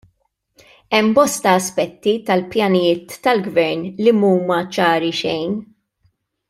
Hemm bosta aspetti tal-pjanijiet tal-gvern li mhuma ċari xejn.